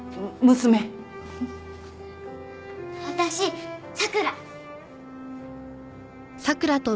私桜！